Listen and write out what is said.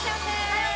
はい！